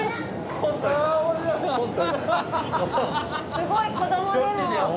すごい子供でも。